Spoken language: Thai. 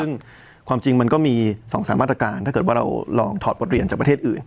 ซึ่งความจริงมันก็มี๒๓มาตรการถ้าเกิดว่าเราลองถอดบทเรียนจากประเทศอื่น